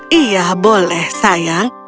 oh eh iya boleh sayang